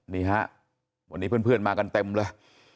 นี่ฮะวันนี้เพื่อนมากันเต็มเลย